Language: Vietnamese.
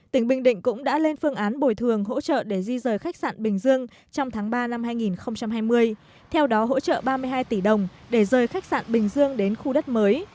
tỉnh bình định cũng đã lên phương án bồi thường hỗ trợ để di rời khách sạn bình dương trong tháng ba năm hai nghìn hai mươi theo đó hỗ trợ ba mươi hai tỷ đồng để rời khách sạn bình dương đến khu đất mới